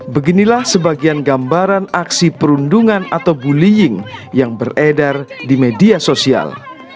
beginilah sebagian gambaran aksi perundungan atau bullying yang beredar di media sosial